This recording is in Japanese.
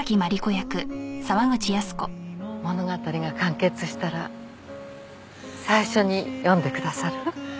物語が完結したら最初に読んでくださる？